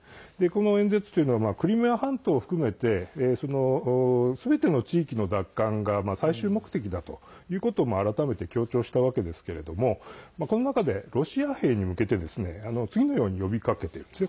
この演説というのはクリミア半島を含めてすべての地域の奪還が最終目的だということを改めて強調したわけですけれどもこの中でロシア兵に向けて次のように呼びかけているんです。